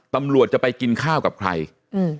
ตำรวจจะไปกินข้าวกับใครอืม